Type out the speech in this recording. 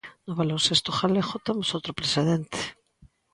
No baloncesto galego temos outro precedente.